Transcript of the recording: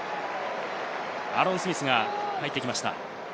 アーロン・スミスが入ってきました。